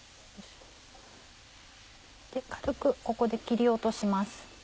軽くここで切り落とします。